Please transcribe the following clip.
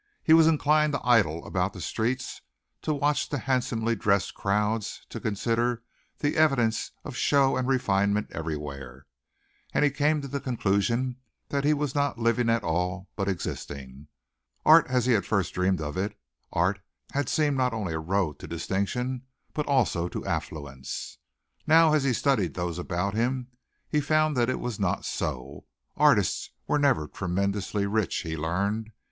He was inclined to idle about the streets, to watch the handsomely dressed crowds, to consider the evidences of show and refinement everywhere, and he came to the conclusion that he was not living at all, but existing. Art as he had first dreamed of it, art had seemed not only a road to distinction but also to affluence. Now, as he studied those about him, he found that it was not so. Artists were never tremendously rich, he learned.